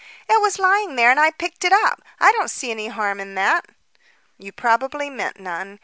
"It was lying there and I picked it up. I don't see any harm in that." "You probably meant none.